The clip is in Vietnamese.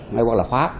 hay là phát